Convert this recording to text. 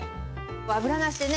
油なしでね